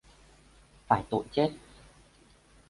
Phải tội chết